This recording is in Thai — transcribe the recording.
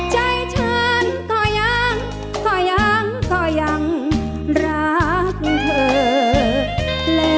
ใจฉันก็ยังก็ยังรักเธอ